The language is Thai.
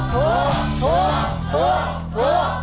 ถูก